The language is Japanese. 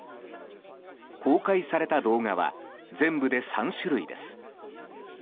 公開された動画は全部で３種類です。